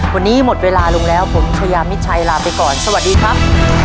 วันนี้หมดเวลาลงแล้วผมชายามิดชัยลาไปก่อนสวัสดีครับ